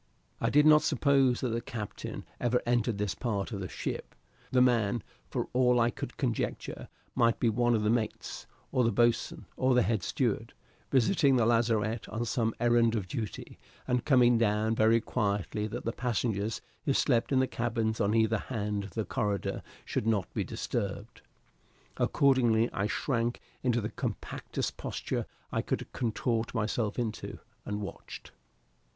I did not suppose that the captain ever entered this part of the ship. The man, for all I could conjecture, might be one of the mates, or the boatswain, or the head steward, visiting the lazarette on some errand of duty, and coming down very quietly that the passengers who slept in the cabins on either hand the corridor should not be disturbed. Accordingly, I shrank into the compactest posture I could contort myself into, and watched.